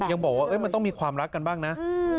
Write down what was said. ยังบอกว่ามีความรักกันบ้างนะ